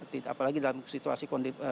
tidak ada kegiatan yang bersifat eporia